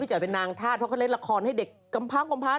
พี่แจ๋วเป็นนางทาสเพราะเขาเล่นละครให้เด็กกำพังกำพัด